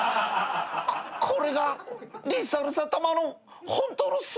これがリサリサたまの本当の姿。